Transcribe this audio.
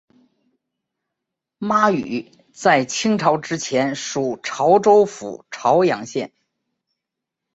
妈屿在清朝之前属潮州府潮阳县。